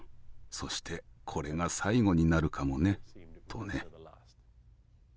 そしてこれが最後になるかもね」とね。